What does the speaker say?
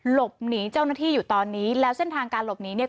หลบหนีเจ้าหน้าที่อยู่ตอนนี้แล้วเส้นทางการหลบหนีเนี่ย